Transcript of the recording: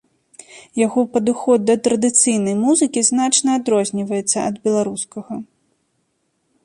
Яго падыход да традыцыйнай музыкі значна адрозніваецца ад беларускага.